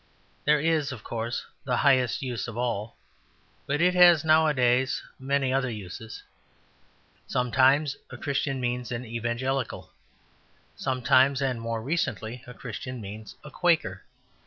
There is, of course, the highest use of all; but it has nowadays many other uses. Sometimes a Christian means an Evangelical. Sometimes, and more recently, a Christian means a Quaker.